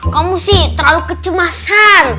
kamu sih terlalu kecemasan